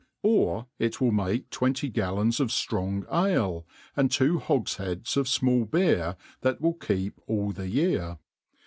Or it will make twenty gallons of firong ale, and two hogflieads of fmall beer that will keep all the year.